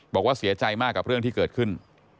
บอกว่าเสียใจมากกับเรื่องที่เกิดขึ้น